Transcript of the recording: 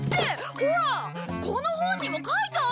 ほらこの本にも書いてあるよ！